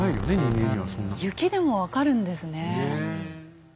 雪でも分かるんですね。